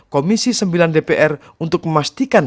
komisi sembilan dpr untuk memastikan